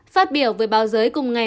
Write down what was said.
phát biểu với báo giới cung cấp